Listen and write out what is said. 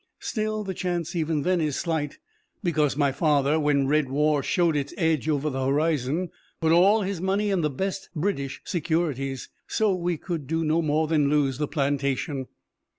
Still, the chance even then is slight, because my father, when red war showed its edge over the horizon, put all his money in the best British securities. So we could do no more than lose the plantation."